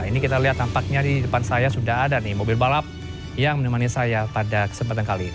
ini kita lihat nampaknya di depan saya sudah ada nih mobil balap yang menemani saya pada kesempatan kali ini